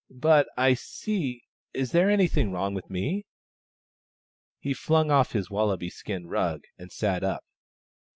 But I — see, is there anything wTong with me ?" He flung off his wallaby skin rug, and sat up.